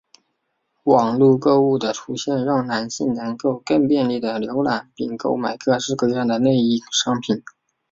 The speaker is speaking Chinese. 网路购物的出现让男性能够更便利地浏览并购买各式各样的内衣商品。